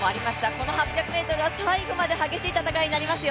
この８００ｍは最後まで激しい戦いになりますよ。